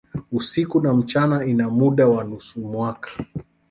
Usiku na mchana ina muda wa nusu mwaka.